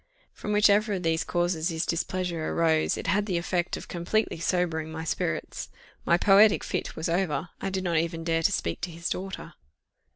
From whichever of these causes his displeasure arose, it had the effect of completely sobering my spirits. My poetic fit was over. I did not even dare to speak to his daughter.